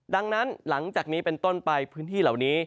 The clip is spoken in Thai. ดังนั้นหลังจากนี้เป็นต้นไปพื้นที่เหล่านี้